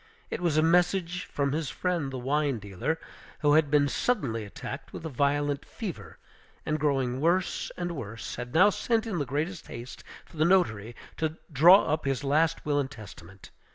It was a message from his friend the wine dealer, who had been suddenly attacked with a violent fever, and growing worse and worse, had now sent in the greatest haste for the notary to draw up his last will and testament.